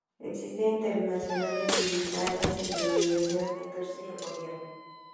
Existen interacciones bilaterales entre la universidad, la industria y el gobierno.